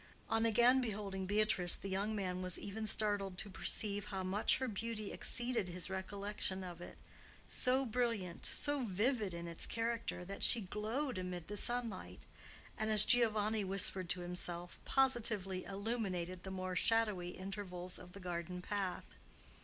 On again beholding Beatrice, the young man was even startled to perceive how much her beauty exceeded his recollection of it; so brilliant, so vivid, was its character, that she glowed amid the sunlight, and, as Giovanni whispered to himself, positively illuminated the more shadowy intervals of the garden path.